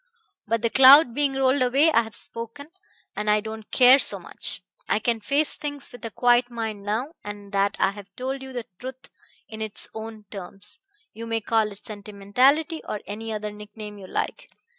But the cloud being rolled away I have spoken, and I don't care so much. I can face things with a quiet mind now that I have told you the truth in its own terms. You may call it sentimentality or any other nickname you like.